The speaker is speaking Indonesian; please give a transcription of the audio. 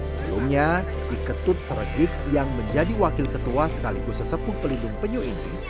sebelumnya iketut seregik yang menjadi wakil ketua sekaligus sesepuh pelindung penyu ini